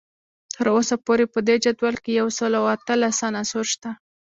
تر اوسه پورې په دې جدول کې یو سل او اتلس عناصر شته